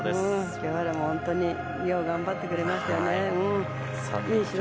清原も本当によく頑張ってくれました。